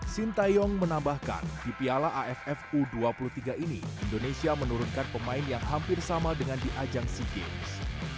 sintayong menambahkan di piala aff u dua puluh tiga ini indonesia menurunkan pemain yang hampir sama dengan di ajang sea games